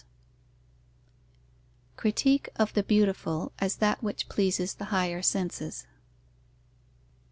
_Critique of the beautiful as that which pleases the higher senses.